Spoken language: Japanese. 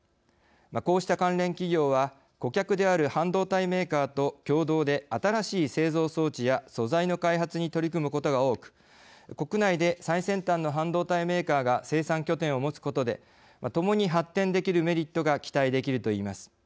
こうした関連企業は顧客である半導体メーカーと共同で新しい製造装置や素材の開発に取り組むことが多く国内で最先端の半導体メーカーが生産拠点を持つことでともに発展できるメリットが期待できるといえます。